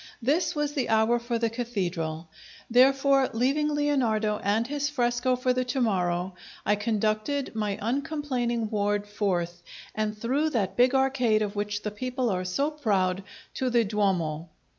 This was the hour for the Cathedral; therefore, leaving Leonardo and his fresco for the to morrow, I conducted my uncomplaining ward forth, and through that big arcade of which the people are so proud, to the Duomo.